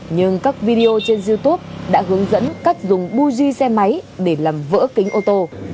nhưng các video trên youtube đã hướng dẫn cách dùng buji xe máy để làm vỡ kính ô tô